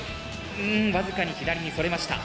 うん僅かに左にそれました。